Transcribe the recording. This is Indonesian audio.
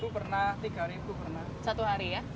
enam ribu pernah tiga ribu pernah